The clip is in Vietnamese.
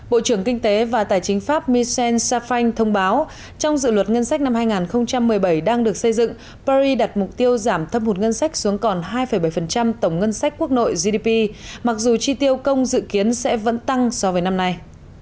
bộ trưởng kinh tế và tài chính pháp michel saf frank thông báo trong dự luật ngân sách năm hai nghìn một mươi bảy đang được xây dựng paris đặt mục tiêu giảm thâm hụt ngân sách xuống còn hai bảy tổng ngân sách quốc nội gdp mặc dù chi tiêu công dự kiến sẽ vẫn tăng so với năm nay